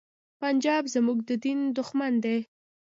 پنجاب زمونږ د دین دښمن دی.